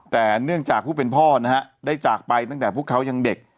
แต่เนื่องจากผู้เป็นพ่อนะฮะได้จากไปตั้งแต่พวกเขายังเด็ก